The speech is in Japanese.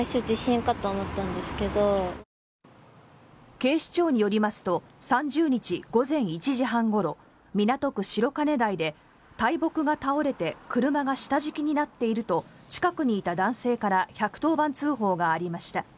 警視庁によりますと３０日午前１時半ごろ港区白金台で大木が倒れて車が下敷きになっていると近くにいた男性から１１０番通報がありました。